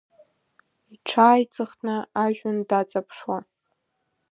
Иҽааиҵыхны ажәҩан даҵаԥшуа.